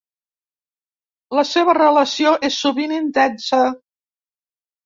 La seva relació és sovint intensa.